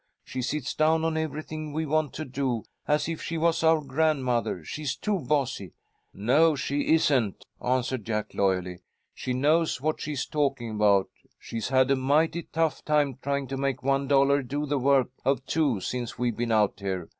She sits down on everything we want to do, as if she was our grandmother. She's too bossy." "No, she isn't," answered Jack, loyally. "She knows what she is talking about. She's had a mighty tough time trying to make one dollar do the work of two since we've been out here.